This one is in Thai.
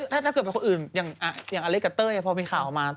ถ้าเกิดเป็นคนอื่นอย่างอเล็กกับเต้ยพอมีข่าวออกมา